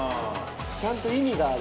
ちゃんと意味がある。